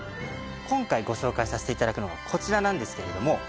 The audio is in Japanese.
今回ご紹介させて頂くのはこちらなんですけれども。